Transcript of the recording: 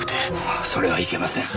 ああそれはいけません。